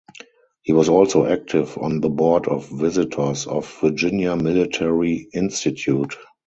He was also active on the Board of Visitors of Virginia Military Institute.